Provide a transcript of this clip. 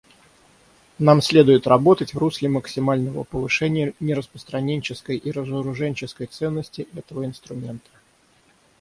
Нам следует работать в русле максимального повышения нераспространенческой и разоруженческой ценности этого инструмента.